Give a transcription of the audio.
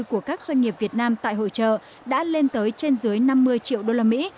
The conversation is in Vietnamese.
của các doanh nghiệp việt nam tại hội trợ đã lên tới trên dưới năm mươi triệu đô la mỹ